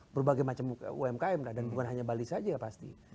berbagai macam umkm dan bukan hanya bali saja pasti